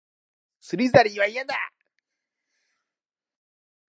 It was then revealed that Austin had signed with the company.